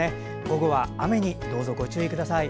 午後は雨にどうぞご注意ください。